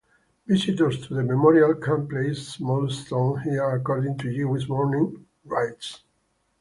Visitors to the memorial can place small stones here according to Jewish mourning rites.